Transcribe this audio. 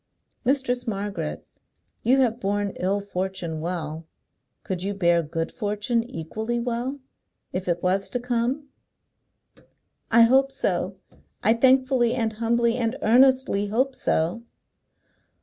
"Mistress Margaret, you have borne ill fortune well. Could you bear good fortune equally well, if it was to come?" "I hope so. I thankfully and humbly and earnestly hope so!"